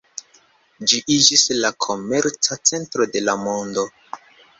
Ĝi iĝis la komerca centro de la mondo.